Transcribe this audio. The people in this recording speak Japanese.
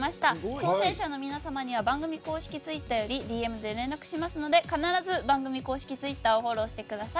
当選者の皆様には番組公式ツイッターよりＤＭで連絡しましたので必ず番組公式ツイッターをフォローしてください。